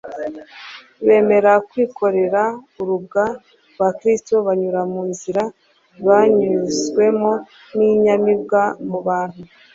Bemera kwikorera urubwa rwa Kristo. Banyura mu nzira yanyuzwemo n'inyamibwa mu bantu.